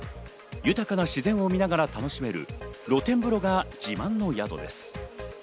豊かな自然を見ながら楽しめる露天風呂が自慢の宿です。